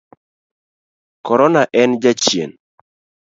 Korona en jachien.